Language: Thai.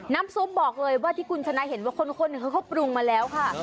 น้ำซุปบอกเลยว่าที่คุณชนะเห็นว่าคนเขาปรุงมาแล้วค่ะ